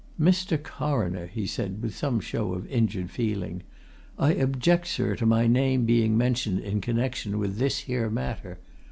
"Mr. Coroner," he said, with some show of injured feeling, "I object, sir, to my name being mentioned in connection with this here matter.